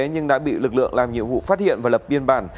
nhưng đã bị lực lượng làm nhiệm vụ phát hiện và lập biên bản